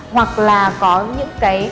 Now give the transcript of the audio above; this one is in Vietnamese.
hoặc là có những